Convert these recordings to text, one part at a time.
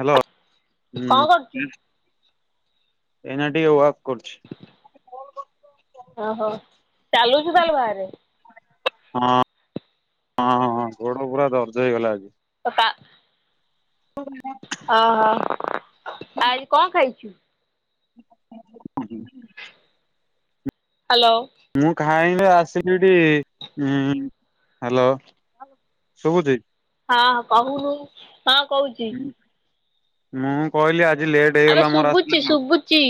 Hello, କଣ କରୁଛୁ? ହୁଁ ଏଇନା ଟିକେ କରୁଛି ଓହୋ ଚାଲୁଛି ତାହେଲେ ବାହାରେ। ହଁ ହଁ ହଁ ଦେହ ଟା ପୁରା ଦର୍ଜ ହେଇଗଲା ଆଜି। କଟା। [unintelligible] ହ ହ ଆଜି କଣ ଖାଇଛୁ? ହାଲୋ। ମୁଁ ଖାାଇନି ଆସିଲି ଏଠି ଉଁ ହାଲୋ। ଶୁଭୁଛି। ହଁ କହୁନୁ ହଁ କହୁଛି। ମୁଁ କହିଲି ଆଜି ଲେଟ୍ ଆବେ ହେଇଗଲା ମୋର ଶୁଭୁଛି ଆସିଲାବେଳକୁ। ଶୁଭୁଛି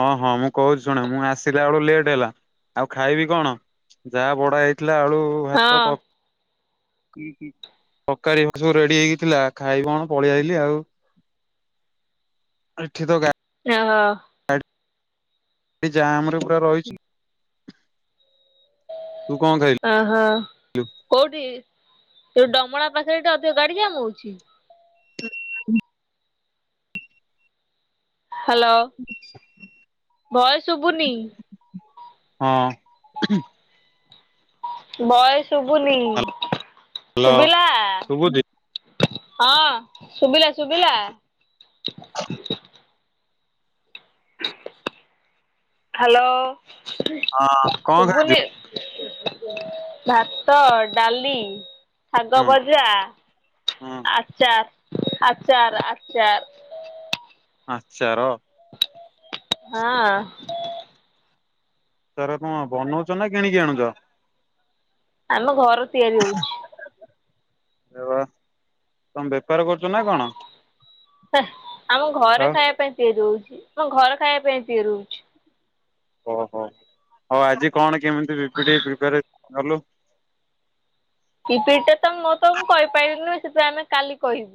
ହଁ ହଁ ମୁଁ କହୁଛି ଶୁଣେ ମୁଁ ଆସିଲା ବେଳକୁ ଲେଟ୍ ହେଲା। ଆଉ ଖାଇବି କଣ ଯାହା ବଡା ହେଇଥିଲା ଆଳୁ ଭାତ ହଁ ତ ତରକାରୀ ସବୁ ରେଡି ହେଇକିଥିଲା ଖାଇ କଣ ପଳେଇଆଇି ଆଉ। ଏଇଠି ତ ଗା ନା ଅ ଏଇ ଜାମ ରେ ପୁରା ରହିଛି। ତୁ କଣ ଖାଇଲୁ? ଅହ କୋଉଠି ତୋ ଡମଳା ପାଖରେ ଠି ଅଧିକ ଗାଡି ଜାମ୍ ଯାଉଚି। ହ ହ୍ୟାଲୋ ଭୟେସ୍ ଶୁଭୁନି। ହଁ। ଭୟେସ୍ ଶୁଭୁନି ହ୍ୟାଲୋ ଶୁଭିଲା। ଶୁଭୁଛି ହଁ ଶୁଭିଲା ଶୁଭିଲା। ହଁ ହ୍ୟାଲୋ କଣ ଖାଇଛୁ? ଶୁଭୁନି। ଭାତ ଡାଲି। ଶାଗ ହୁଁ ଭଜା ହୁଁ ଆଚାର ଆଚାର ଆଚାର। ଆଚାର। ହଁ। ଚାର କଣ ବନଉଛ ନା କିଣିକି ଆଣୁଛ। ଆମ ଘର ତିଆରି ହଉଛି। ବେପାର କରୁଛ ନା କଣ? ହେ ଆମ ଘରେ ଆଉ ଖାଇବା ପାଇଁ ତିଆରି ହଉଛି ଆମ ଘର ଖାଇବା ପାଇଁ ତିଆରି ହଉଛି। ଓହୋ ହଉ ଆଜି କଣ କେମିତି ପିପିିଟି ପ୍ରିପାର କଲୁ। ପିପିଟା ତ ମୁଁ ତ ମୁଁ କହିପାରିବିନି ସେଥିପାଇଁ ଆମେ କାଲି କହିବି।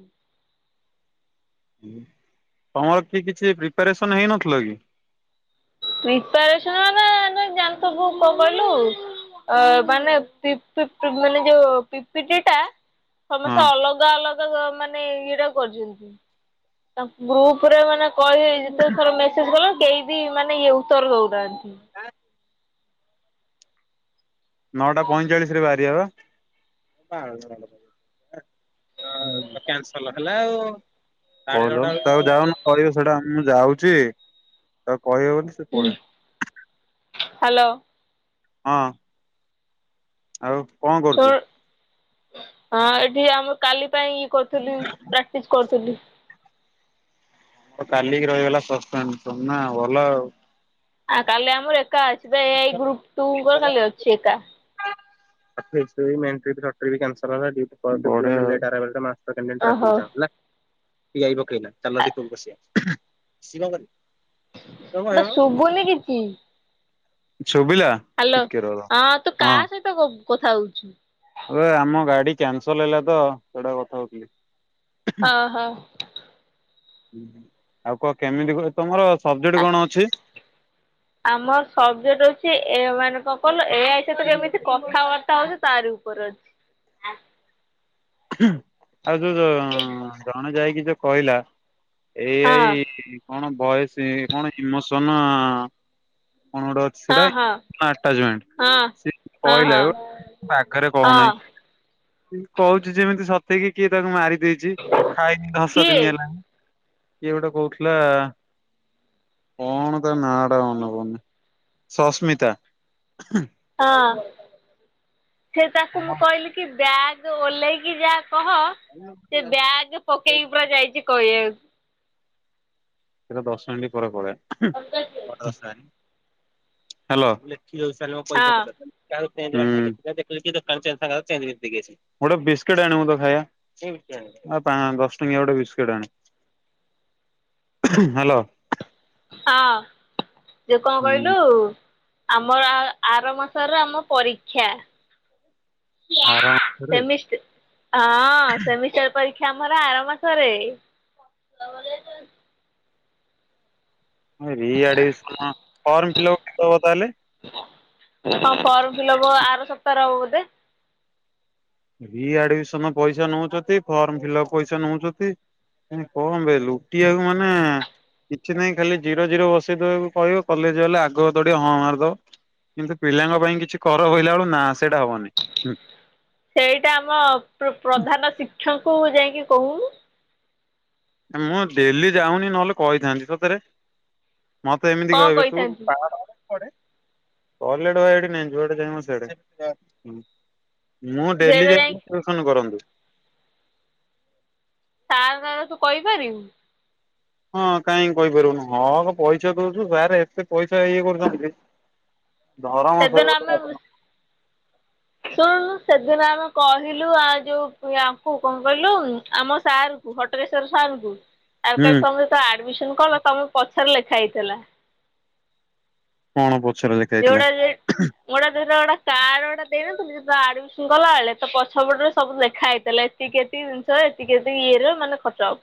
ତମର କି କିଛି ପ୍ରିପାରେସନ ହେଇନଥିଲ କି? ପ୍ରିପାରେସନ ମନେ ଜାଣିଥିବୁ କଣ କଲୁ। ଅ ମାନେ ପି ପି ମାନେ ଯୋଉ ପିପିଟି ଟା ହଁ ସମସ୍ତେ ଅଲଗା ଅଲଗା ମାନେ ଇଏଟା କରିଛନ୍ତି। ତା ଗ୍ରୁପ ରେ ମାନେ କହି ହେଇ ଯେତେ ଥର ମେସେଜ କଲେ କେହି ବି ମାନେ ଇଏ ଉତ୍ତର ଦଉନାହାନ୍ତି। ହଁ। ନଅଟା ପଇଁଚାଳିଶ ରେ ବାହାରିବା ବା। ପା କ୍ୟାନସଲ ହେଲା ଆଉ। କହିଲ ତାକୁ ଯାଉନ କହିବ ସେଇଟା ମୁଁ ଯାଉଛି ତାକୁ କହିବେ ବୋଲି ସେ ହୁଁ ପଳେଇବ ହ୍ୟାଲୋ। ହଁ ଆଉ କଣ ଶୁଣ କରୁଚୁ? ହଁ ଏଠି ଆମର କାଲି ପାଇଁ ଇଏ କରୁଥିଲି ପ୍ରାକ୍ଟିସ କରୁଥିଲି। ଆଉ କାଲିକି ରହିଗଲା [unintelligible] ନା ଭଲ ଆଉ। ଆ କାଲି ଆମର ଏକା ଅଛି ବା ଏଇ ଗ୍ରୁପ ଟୁଙ୍କର କାଲି ଅଛି ଏକା। [unintelligible] ବଢିଆ ଆଉ। କାଲି ଟ୍ରାଫିକ ଜାମ୍ ହେଲା ଓହୋ ପିଆଇ ପକେଇଲା ଚାଲ ବସିବା ସିଏ କଣ କରିବ। ବ ଶୁଭନି କିଛି। ଶୁଭିଲା। ହ୍ୟାଲୋ ଟିକେ ରହ ହଁ ତୁ କା ସହିତ କଥା ହଉଛୁ। ଏବେ ଆମ ଗାଡି କ୍ୟାନସଲ ହେଲା ତ ସେଟା କଥା ହଉଥିଲି। ଅହୋ। ଆଉ କ କେମିତି ତମର ସବଜେକ୍ଟ କଣ ଅଛି? ଆମର ସବଜେକ୍ଟ ଅଛି ଏ ମାନେ କଣ କହିଲ ଏଆଇ ସହିତ କେମିତି କଥାବାର୍ତ୍ତା ହଉଚି ତାରି ବିଷୟରେ ଅଛି। ହୁଁ ଆଉ ଯୋଉ ଯ ଜଣେ ଯାଇକି ଯୋଉ କହିଲା ହଁ ଏଆଇ କଣ ବଏସ କଣ ଇମୋସନ କଣ ଗୋଟେ ହଁ ଅ ହଁ ସେଟା [unintelligible] ହଁ ସିଏ ହଁ ହଁ କହିଲା ଆଗରେ ହଁ କହୁନାହିଁ। କହୁଚୁ ଯେମିତି ସତେକି କିଏ ତାକୁ ମାରି ଦେଇଚି ଖାଇନି ଦଶ କିଏ? ଦିନି ହେଲା। କିଏ ଗୋଟେ କହୁଥିଲା। କଣ ତା ନାଁ ଟା ମନପଡ଼ୁନି ସସ୍ମିତା। ହଁ ସେ ତାକୁ ମୁଁ କଇଲି କି ବ୍ୟାଗ୍ ଓହ୍ଲେଇକି ଯା କହ ସେ ବ୍ୟାଗେ ପକେଇକି ପୁରା ଯାଇଚି କଇଆକୁ। ସେଟା ଦଶ ମିନିଟ ପରେ ପଡ଼େ ହଁ [unintelligible] ହାଲୋ। [unintelligible] ହୁଁ ଗୋଟେ ବିସ୍କିଟ ଆଣିବୁ ତ ଖାଇବା ପା ଦଶ ଟଙ୍କିଆ ଗୋଟେ ବିସ୍କିଟ ଆଣେ। ହାଲୋ। ହଁ ଯୋଉ କଣ ହୁଁ କଇଲୁ? ଆମର ଆ ଆର ମାସର ଆମ ପରୀକ୍ଷା। ଆର ମାସରେ ସେମିଷ୍ଟ ହଁ ସେମିଷ୍ଟର ପରୀକ୍ଷା ଆମର ଆର ମାସରେ। ରି ଆଡ଼ମିଶନ ଫର୍ମ ଫିଲ ଅପ୍ କେବେ ହବ ତାହେଲେ? ହଁ ଫର୍ମ ଫିଲ ଅପ୍ ଆର ସପ୍ତାହରେ ହବ ବୋଧେ। ରି ଆଡ଼ମିଶନ ପଇସା ନଉଚନ୍ତି ଫର୍ମ ଫିଲ ଅପ୍ ପଇସା ନଉଚନ୍ତି। ଏ କଣ ବେ ଲୁଟିଆକୁ ମାନେ କିଛି ନାହିଁ ଖାଲି ଜିରୋ ଜିରୋ ବସେଇଦବାକୁ କହିବ କଲେଜ ଗଲେ ଆଗ ତଡି ହଁ ମାରିଦବ। କିନ୍ତୁ ପିଲାଙ୍କ ପାଇଁ କିଛି କର କହିଲା ବେଳୁ ନା ସେଇଟା ହବନି। ସେଇଟା ଆମ ପ୍ର ପ୍ରଧାନ ଶିକ୍ଷଙ୍କୁ ଯାଇକି କହୁ। ମୁଁ ଡେଲି ଯାଉନି ନହେଲେ କହିଥାନ୍ତି, ସତରେ। ମତେ ଏମିତି କଣ କହିବେ ତୁ କହିଥାନ୍ତି [unintelligible] ଟଏଲେଟ୍ ଭାଇ ଏଇଠି ନାହିଁ ଯୁଆଡ଼େ ଯାଏଁ ମୁଁ ସିଆଡେ। ମୁଁ ଡେଲି ସେଇଟା ଯାଇଁକି ଯାଇକି ଟିଉସନ୍ କରନ୍ତୁ। ସାର ଙ୍କ ଆଗରେ ତୁ କଇପାରିବୁ। ହଁ କାହିଁକି କହିପାରିବୁନୁ ହକ୍ ପଇସା ଦଉଚୁ ସାର୍ ଏତେ ପଇସା ଇଏ କରୁଚନ୍ତି। ଧରମ ସେଦିନ ସହିବ ଆମେ ତମକୁ। ଶୁଣୁନୁ ସେଦିନ ଆମେ କହିଲୁ ଆ ଯୋଉ ୟାଙ୍କୁ କଣ କହିଲୁ ଆମ ସାର୍ ଙ୍କୁ ହଟକେଶ୍ଵର ସାରଙ୍କୁ ଆମେ ହୁଁ କହିଲୁ ତମେ ଯେତେବେଳେ ଆଡ଼ମିଶନ କଲ ତମ ପଛରେ ଲେଖା ହେଇଥିଲା। କଣ ପଛରେ ଲେ [unintelligible] ଗୋଟା ଦେଇନଥିଲେ ଯେତେବେଳେ ଆଡ଼ମିଶନ କଲା ବେଳେ ତ ପଛପଟରେ ସବୁ ଲେଖା ହେଇଥିଲା ଏତିକି ଏତିକି ଏତିକି ଏତିକି ଇଏର ମାନେ ଖର୍ଚ୍ଚ ହବ।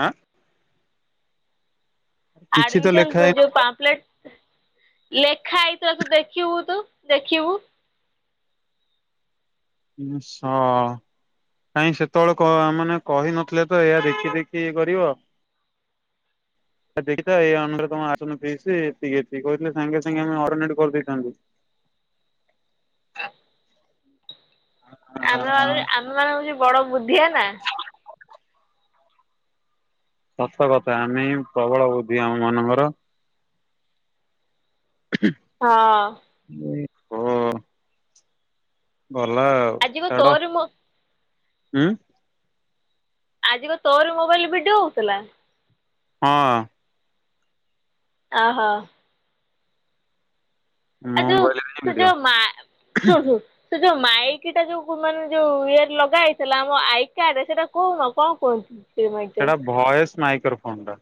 ଆଁ। କିଛି ତ ଆଡ଼ମିଶନ୍ ଲେଖା ହେଇନ ଯୋଉ ପାମ୍ପପ୍ଲେଟ। ଲେଖା ହେଇଥିଲା ତୁ ଦେଖିବୁ ତୁ ଦେଖିବୁ। ସ କାଇଁ ସେତେବେଳେ କ ମାନେ କହିନଥିଲେ ତ ଏହା ଦେଖି ଦେଖି କରିବ। ଆ ଦେଖି ତ ଏଇ ଅନୁସାରେ ତମ ଆସନ ଫିସି ଏତିକି ଏ କହିଥିଲେ ସାଙ୍ଗେ ସାଙ୍ଗେ ଆମେ ଅଲ୍ଟର୍ନୈଟ୍ କରିଦେଇଥାନ୍ତୁ। ଆମେ ମାନେ ଆମେ ମାନେ ହୋଉଛି ବଡ ବୁଦ୍ଧିଆ ନା। ସତ କଥା ଆମେ ପ୍ରବଳ ବୁଦ୍ଧି ଆମ ମାନଙ୍କର। [unintelligible] ହଁ ହୁଁ। ଭଲ ଆଉ। ଆଜିିକ ତୋରି ମ ହୁଁ। ଆଜିିକ ତୋରି ମୋବାଇଲ୍ ଭିଡ଼ିଓ ହୋଉଥିଲା। ହଁ। ଓହୋ। ଆ ମୋ ଯୋଉ ମୋବାଇଲରେ ହିଁ ତୁ ଭିଡିଓ ଯୋଉ ମା ଶୁଂ ଶୁଂ ସେ ଯୋଉ ମାଇକ ଟା ଯୋଉ ମାନେ ଯୋଉ ଇଏ ଲଗା ହେଇଥିଲା ଆମ ଆଇ କାଡ୍ ରେ ସେଇଟା କୋହୁନ କଣ କୁହନ୍ତୁ? ସେଟା ଭଏସ୍ ମାଇକ୍ରୋଫୋନ୍ ଟା।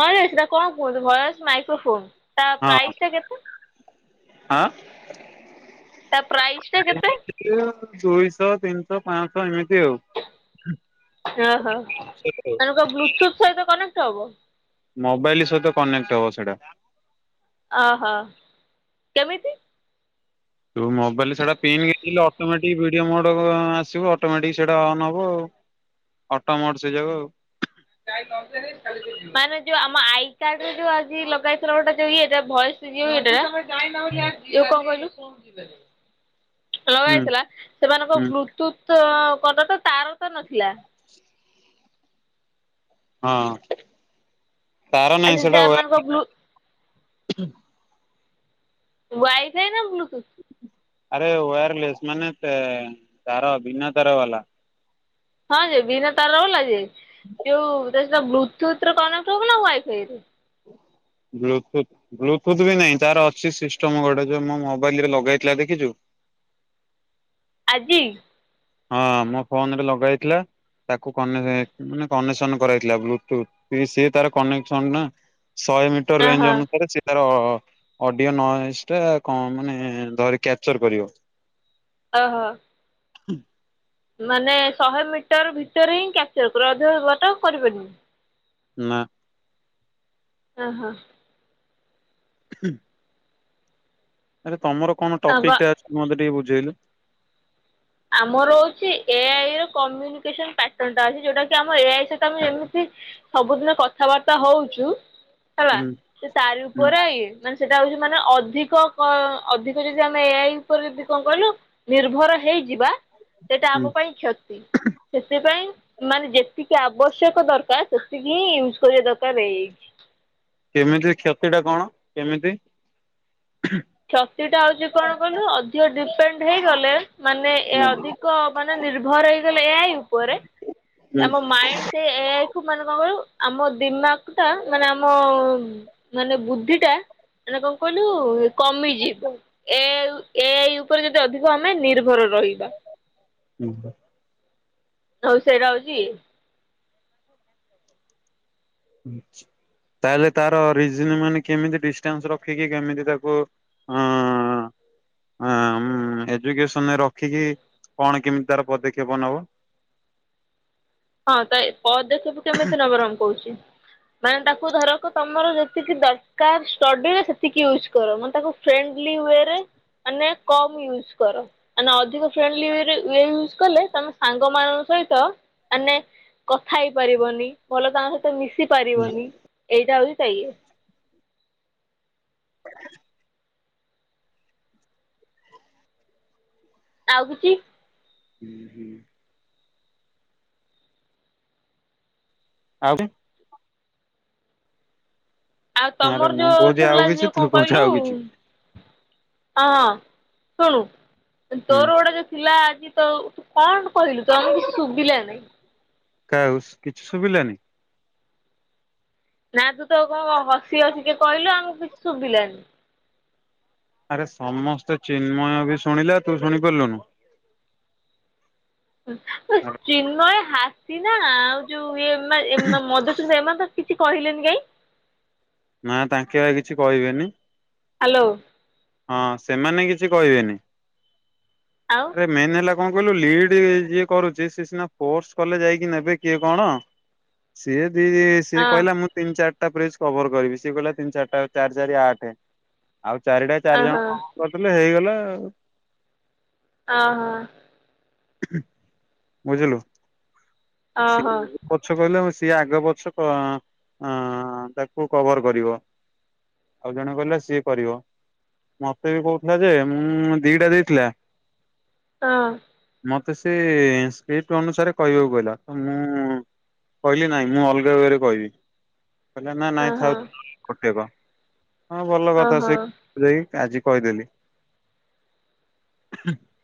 ହଁ ଯେ ସେଟା କଣ କୁହନ୍ତୁ ଭୟସ ମାଇକ୍ରୋଫୋନ? ତା ହଁ ପ୍ରାଇସ୍ ଟା କେତେ? ହଁ ଆଁ। ତା ପ୍ରାଇସ୍ ଟା କେତେ? ଦୁଇଶହ ତିନିଶହ ପାଁଶହ ଏମିତି ଆଉ। ଓହୋ। ସେଇଥିପାଇଁ। ତାଙ୍କ ବ୍ଲୁଟୁଥ୍ ସହିତ କନେକ୍ଟ ହବ? ମୋବାଇଲି ସହିତ କନେକ୍ଟ୍ ହବ ସେଇଟା। ଅହ, କେମିତି? ତୁ ମୋବାଇଲରେ ସେଟା ପନ୍ ଅଟୋମେଟିକ ଭଡିଓ ମୋଡ ଆସିବ ଅଟୋମେଟିକ ସେଇଟା ଅନ୍ ହବ ଆଉ। ଅଟୋ ମୋଡ୍ ସେଇ ଯାକ ଆଉ। ମାନେ ଯୋଉ ଆମ ଆଇ କାର୍ଡ ରେ ଯୋଉ ଆଜି ଲଗାଇଥିଲା ଗୋଟେ ଯୋଉ ଇଏଟ ଭଏସ୍ ଜିରୋ ଏଇଟା ଜା ଯୋଉ କଁ କହିଲୁ? ଲଗା ହୁଁ ହେଥିଲା ସେମାନଙ୍କ ହୁଁ ବ୍ଲୁଟୁଥ୍ କଟ ତ ତାର ତ ନଥିଲା। ହଁ ତାର ଆଚ୍ଛା ନାହିଁ ସେଟା ସେମାନଙ୍କ ୱଆୟାର୍ ବ୍ଲୁ ୱାଇ ଫାଇ ନା ବ୍ଲୁ ଟୁଥ୍? ଆରେ ୱାୟାର୍ଲେସ୍ ମାନେ ତାର ବିନା ତାର ବାଲା। ହଁ ଯେ ବିନା ତାରଲା ଯେ ଯୋଉ ତାଟା ବ୍ଲୁଟୁଥ୍ ରୁ କନେକ୍ଟ୍ ହବ ନା ୱାଇଫାଇରୁ? ବ୍ଲୁଟୁଥ୍। ବ୍ଲୁଟୁଥ୍ ବି ନାଇଁ ତାର ଅଛି ସିଷ୍ଟମ୍ ଗୋଟେ ଯୋଉ ମୋ ମୋବାଇଲ୍ ରେ ଲଗାହେଇଥିଲା ଦେଖିଚୁ? ଆଜି। ହଁ ମୋ ଫୋନରେ ଲଗା ହେଇଥିଲା। ତାକୁ କନେରେ ମାନେ କନେକ୍ସନ୍ କରାହେଇଥିଲା ବ୍ଲୁଟୁଥ୍ ସିଏ ତାର କନେକ୍ସନ ନା। ଶହେ ମିଟର୍ ରେଞ୍ଜ୍ ଓହୋ ଅନୁସାରେ ସେ ତାର ଅ ଅଡିଓ ନଏଜ୍ ଟା କଣ ମାନେ ଧରି କ୍ୟାପ୍ଚର୍ କରିବ। ଓ ହୋ। ମାନେ ଶହେ ମିଟର୍ ଭିତରେ ହିଁ କ୍ୟାପ୍ଚର୍ କରିବ ଅଧିକା ବାଟ କରିବନି? ନାଁ। ହଁ -ହଁ। ଆରେ ତମର କଣ ଓହୋ। ଟପିକ୍ ଟା ଅଛି ମତେ ଟିକେ ବୁଝେଇଲୁ। ଆମର ହୋଉଛି ଏଆଇ ର କମ୍ୟୁନିକେସନ ପାଟନ ଟା ଅଛି ଯୋଉଟା କି ଏ ଆମ ଏଆଇ ସହିତ ଆମେ ଏମିତି ସବୁଦିନ କଥାବାର୍ତ୍ତା ହୋଉଚୁ। ହେଲା ହୁଁ ସେ ତାରି ହୁଁ ଉପରେ ଇଏ ମାନେ ସେଟା ହୋଉଛି ମାନେ ଅଧିକ କ ଅଧିକ ଯଦି ଆମେ ଏଆଇ ଉପରେ ଯଦି କଣ କହିଲୁ ନିର୍ଭର ହେଇଯିବା। ସେଟା ହୁଁ ଆମ ପାଇଁ କ୍ଷତି। ସେଥିପାଇଁ ମାନେ ଯେତିକି ଆବଶ୍ୟକ ଦରକାର୍ ସେତିକି ହିଁ ୟୁଜ୍ କରିବା ଦରକାର ଏଆଇ କେମିତି କ୍ଷତି ଟା କଣ କେମିତି? କ୍ଷତି ଟା ହୋଉଛି କଣ କହିଲୁ ଅଧିକ ଡିପେଣ୍ଡ ହେଇଗଲେ ମାନେ ଏ ଅଧିକ ଅଧିକ ମାନେ ନିର୍ଭର ହେଇଗଲେ ଏଆଇ ଉପରେ ଆମ ମାଇଣ୍ଡ ସେ ଏଆଇ କୁ ମାନେ କଣ କହିଲୁ ଆମ ଦିମାଗ୍ ଟା ମାନେ ଆମ ମାନେ ବୁଦ୍ଧି ଟା ମାନେ କଣ କହିଲୁ କମିଯିବ ଏଆଇ ଏଆଇ ଉପରେ ଯଦି ଅଧିକ ଆମେ ନିର୍ଭର ରହିବା। ହୁଁ ପା। ହଉ ସେଟା ହୋଉଚି। ତାହେଲେ ତାର ରିଜିନ୍ ମାନେ କେମିତି ଡିଷ୍ଟାନ୍ସ୍ ରଖିକି କେମିତି ତାକୁ [unintelligible] ଆଁ ଉଁ ଏଜୁକେସନ୍ ରେ ରଖିକି କଣ କେମିତି ତାର ପଦକ୍ଷେପ ନବ। ହଁ ତ ଏ ପଦକ୍ଷେପ କେମିତି ନବ ର ମୁଁ କହୁଛି। ମାନେ ତାକୁ ଧରକ ତମର ଯେତିକି ଦରକାର୍ ଷ୍ଟଡିରେ ସେତିକି ୟୁଜ୍ କର ମୁଁ ତାକୁ ଫ୍ରେଣ୍ଡଲି ୱରେ ମାନେ କମ୍ ୟୁଜ କର। ମାନେ ଅଧିକ ଫ୍ରେଣ୍ଡଲି ୱରେ ଇଏ ୟୁଜ କଲେ ତମେ ସାଙ୍ଗ ମାନଙ୍କ ସହିତ ମାନେ କଥା ହେଇପାରିବନି ଭଲ ସାଙ୍ଗ ସହିତ ମିଶି ପାରିବନି ଏଇଟା ହୋଉଛି ସେୟା। [unintelligible] ଆଉ କିଛି? ଆଉରି। ଆଉ ଆରେ ତମର ମୁଁ ଯୋଉଁ କହୁଛି ଆଉ ଉଠୁଥିଲା କିଛି ଯୋଉଁ କଣ ତୁ କହୁଛୁ କହିଲୁ। ଆଉ କିଛି ଅଁ ଶୁଣୁ ହୁଁ ତୋର ଗୋଟେ ଯଉ ଥିଲା ଆଜି ତ ତୁ କଣ କହିଲୁ ତ କିଛି ଶୁଭିଲାନି। କାଉସ୍ କିଛି ସୁୁବିଲାନି? ନା ତୁ ତ କଣ ହସି ହସିକା କଇଲ ଆମକୁ କିଛି ଶୁଭିଲାନି। ଆରେ ସମସ୍ତେ ଚିନ୍ମୟ ବି ଶୁଣିଲା ତୁ ଶୁଣି ପାରିଲୁନୁ। ଚିନ୍ମୟ ହାତି ନା ଆଉ ଯୋଉଁ ଏମ ଏମା ମଧୁସ୍ମିତା ଏମାନେ ତ କିଛି କହିଲେନି କାଇଁ। ନା ତାଙ୍କେବା କିଛି କହିବେନି। ହାଲୋ। ହଁ ସେମାନେ କିଛି କହିବେନି। ଆଉ। ଆରେ ମେନ୍ ହେଲା କଣ କହିଲୁ ଲିଡ୍ ଯିଏ କରୁଚି ସେ ସିନା ଫୋର୍ସ କଲେ ଯାଇକି ନେବେ କିଏ କଣ। ସିଏ ଦିଦି ସିଏ ହଁ କହିଲା ମୁଁ ତିନି ଚାରିଟା ପ୍ରିଜ୍ କଭର୍ କରିବି ସିଏ କହିଲା ତିନି ଚାରିଟା ଚାରି ଚାରି ଆଠେ ଆଉ ଚାରିଟା ଚାରି ଓହୋ ଜଣ ହଁ କରିଥିଲେ ହେଇଗଲା ଆଉ। ଆ ହଁ ବୁଝିଲୁ। ଓହୋ ହଁ। ସିଏ ପଛ କହିଲେ ସିଏ ଆଗ ପଛ କ ତାକୁ କଭର କରିବ। ଆଉ ଜଣେ କହିଲେ ସିଏ କରିବ। ମତେ ବି କହୁଥିଲା ଯେ ମୁଁ ଦିଟା ଦେଇଥିଲା। ହଁ ମତେ ସେ ସ୍କ୍ରିପ୍ଟ ଅନୁସାରେ କହିବାକୁ କହିଲା। ତ ମୁଁ କହିଲି ନାଇଁ ମୁଁ ଅଲଗା ୱେ ରେ କହିବି କହିଲା ନା ନାଇଁ ଓହୋ ଥାଉ କୋଟେକ ହଁ ଭଲ କଥା ଓହୋ ସେ ଯାଇକ ଆଜି କହିଦେଲି।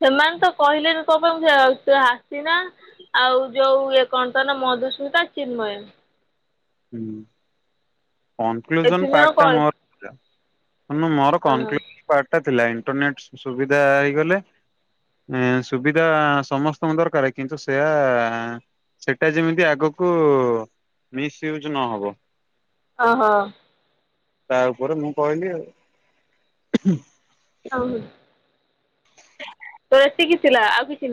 ସେମାନେ ତ କହିଲେନି କଣ ପାଇଁ ସେ ଆସିନା। ଆଉ ଯୋଉ ଇଏ କଣ ତ ନା ମଧୁସ୍ମିତା ଚିନ୍ମୟ ଏ କନକ୍ଲୁଜନ ତିନି ଜଣ ପାର୍ଟ ଟା କହି ମର ଥିଲା। ଓହୋ କନକ୍ଲୁଜନ ପାର୍ଟ ଟା ଥିଲା ଇଣ୍ଟରନେଟ ସୁବିଧା ହେଇଗଲେ ସୁବିଧା ସମସ୍ତଙ୍କ ଦରକାର କିନ୍ତୁ ସେୟା ସେଟା ଯେମିତି ଆଗକୁ ମିସୟୁଜ ନହବ। ଓ ହ ତା ଉପରେ ମୁଁ କହିଲି ଆଉ [unintelligible] ତୋର ଏତିକି ଥିଲା ଆଉ କିଛି